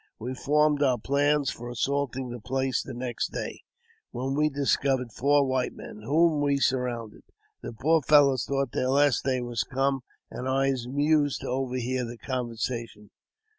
We formed our plans for assaulting the place the next day, when we discovered four white men, whom we surrounded. The poor fellows thought their last day was come, and I was amused to overhear their conversation.